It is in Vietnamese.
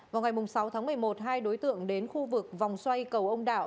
vào ngày sáu tháng một mươi một hai đối tượng đến khu vực vòng xoay cầu ông đảo